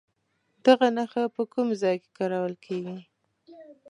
دغه نښه په کوم ځای کې کارول کیږي؟